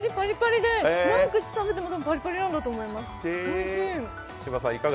びっくりです、のりパリパリで、何口食べてもパリパリなんだと思います。